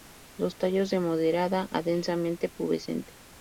Los tallos de moderada a densamente pubescente.